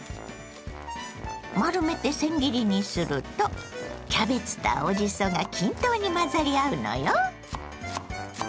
丸めてせん切りにするとキャベツと青じそが均等に混ざり合うのよ。